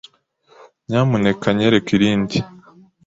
Nyamuneka nyereka irindi.